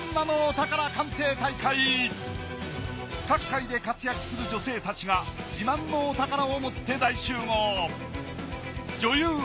各界で活躍する女性達が自慢のお宝をもって大集合女優